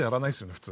普通。